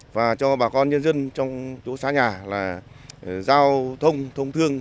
và cho bà con nhân dân trong chỗ xa nhà là giao thông thông thương